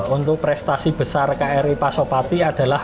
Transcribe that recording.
untuk prestasi besar kri pasopati adalah